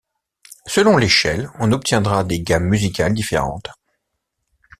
Selon l'échelle, on obtiendra des gammes musicales différentes.